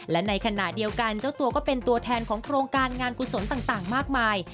และในขณะเดียวกันเจ้าตัวก็เป็นตัวแทนของโครงการงานกุศลต่างมากมาย